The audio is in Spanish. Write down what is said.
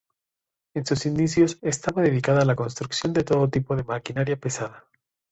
En sus inicios estaba dedicada a la construcción de todo tipo de maquinaría pesada.